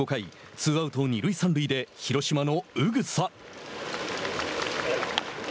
ツーアウト、二塁三塁で広島の宇草。